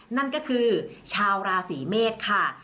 นั่นก็คือชาวราศีเมษค่ะ